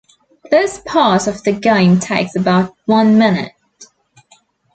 This part of the game takes about one minute.